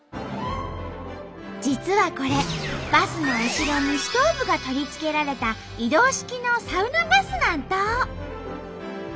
実はこれバスの後ろにストーブが取り付けられた移動式のサウナバスなんと！